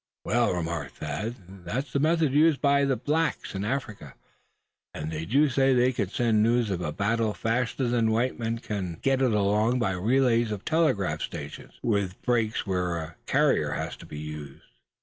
"Well," remarked Thad, "that's the method used by blacks in Africa; and they do say they can send news of a battle faster than white men can get it along by relays of telegraph stations, with breaks where a carrier has to be used."